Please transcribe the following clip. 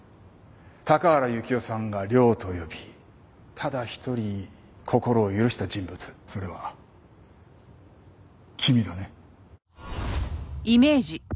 高原雪世さんが「ＲＹＯ」と呼びただ一人心を許した人物それは君だね？